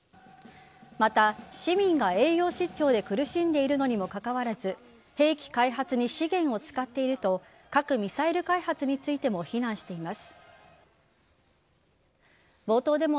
また、市民が栄養失調で苦しんでいるのにもかかわらず兵器開発に資源を使っていると核・ミサイル開発についても非難しています。